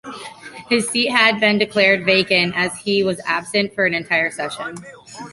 His seat had been declared vacant as he was absent for an entire session.